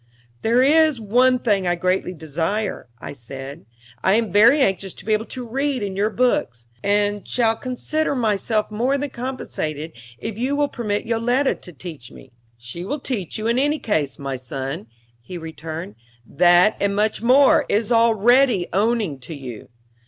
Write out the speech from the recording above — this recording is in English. "There is one thing I greatly desire," I said. "I am very anxious to be able to read in your books, and shall consider myself more than compensated if you will permit Yoletta to teach me." "She shall teach you in any case, my son," he returned. "That, and much more, is already owning to you."